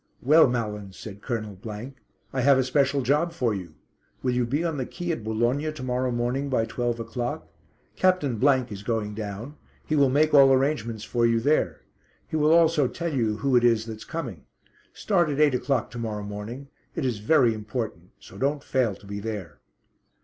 "Well, Malins," said Colonel , "I have a special job for you. Will you be on the quay at Boulogne to morrow morning by twelve o'clock? Captain is going down; he will make all arrangements for you there; he will also tell you who it is that's coming. Start at eight o'clock to morrow morning. It is very important; so don't fail to be there."